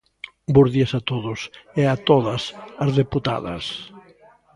Bos días a todos e a todas as deputadas.